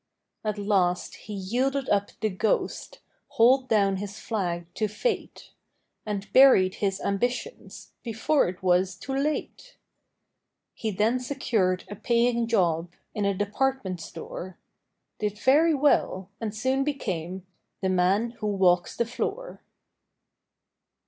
At last he yielded up the ghost, Hauled down his flag to Fate, And buried his ambitions Before it was too late. He then secured a paying job In a department store; Did very well, and soon became " The man who walks the floor."